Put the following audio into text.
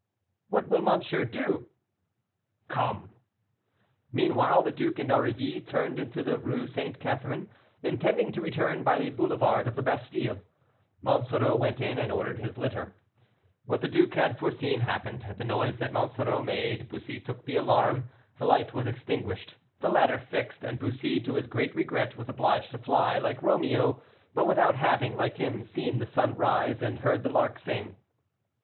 "What will monsieur do?" "Come." Meanwhile, the duke and Aurilly turned into the Rue St. Catherine, intending to return by the boulevard of the Bastile. Monsoreau went in, and ordered his litter. What the duke had foreseen happened. At the noise that Monsoreau made, Bussy took the alarm, the light was extinguished, the ladder fixed, and Bussy, to his great regret, was obliged to fly, like Romeo, but without having, like him, seen the sun rise and heard the lark sing.